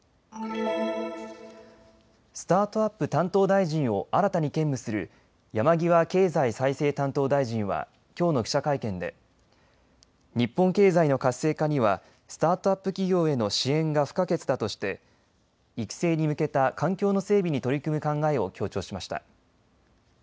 スタートアップ担当大臣を新たに兼務する山際経済再生担当大臣はきょうの記者会見で日本経済の活性化にはスタートアップ企業への支援が不可欠だとして育成に向けた環境の整備に取り組む考えを強調しました。